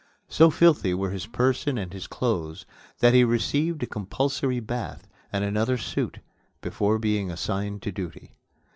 So filthy were his person and his clothes that he received a compulsory bath and another suit before being assigned to duty.